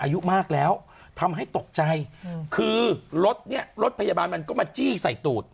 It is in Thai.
อายุมากแล้วทำให้ตกใจคือรถเนี่ยรถพยาบาลมันก็มาจี้ใส่ตูด